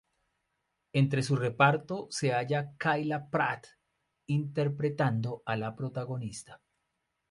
Entre su reparto se halla Kyla Pratt interpretando a la protagonista.